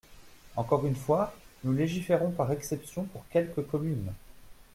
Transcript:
Encore une fois, nous légiférons par exception pour quelques communes.